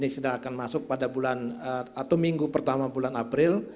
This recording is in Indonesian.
kita akan masuk pada minggu pertama bulan april